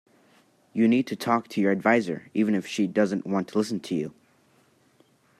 You need to talk to your adviser, even if she doesn't want to listen to you.